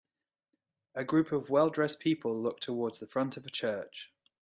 A group of well dressed people look towards the front of a church.